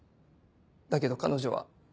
だけど彼女は。